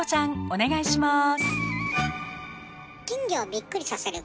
お願いします。